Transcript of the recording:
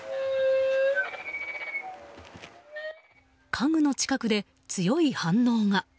家具の近くで強い反応が。